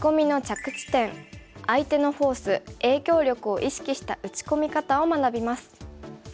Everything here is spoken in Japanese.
相手のフォース影響力を意識した打ち込み方を学びます。